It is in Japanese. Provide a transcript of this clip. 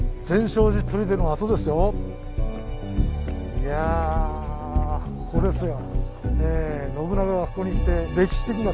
いやここですよ。